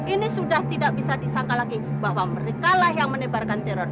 ini sudah tidak bisa disangka lagi bahwa mereka lah yang menebarkan teror